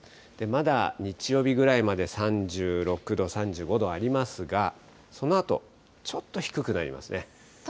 まだ日曜日ぐらいまで３６度、３５度ありますが、そのあと、ちょっと低くなりますね。